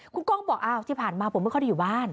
คุณก้องบอกอ้าวที่ผ่านมาผมไม่ค่อยได้อยู่บ้าน